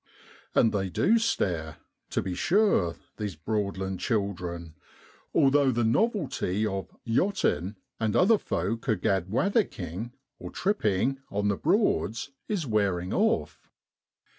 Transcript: And they do stare, to be sure, these Broadland children, although the novelty of l yachtin' and other folk a gadwaddickin' (trip ping) on the Broads is wearing off.